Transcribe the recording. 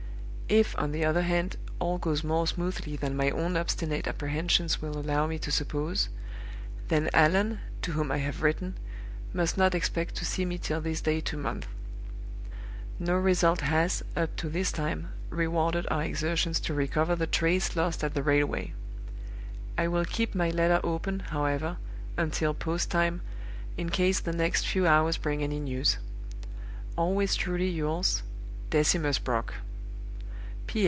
If, on the other hand, all goes more smoothly than my own obstinate apprehensions will allow me to suppose, then Allan (to whom I have written) must not expect to see me till this day two months. "No result has, up to this time, rewarded our exertions to recover the trace lost at the railway. I will keep my letter open, however, until post time, in case the next few hours bring any news. "Always truly yours, "DECIMUS BROCK.